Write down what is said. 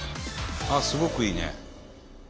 すごくいいね。